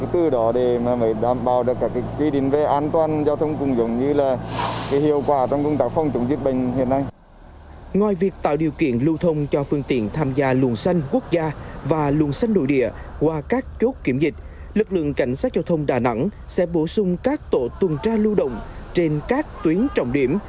tuyên truyền tránh tình trạng sẽ bổ sung các tổ tuần tra lưu động trên các tuyến trọng điểm